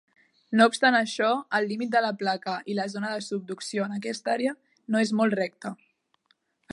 No obstant això, el límit de la placa i la zona de subducció en aquesta àrea no és molt recta.